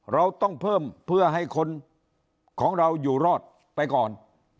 เราต้องเพิ่มเพื่อให้คนของเราอยู่รอดไปก่อน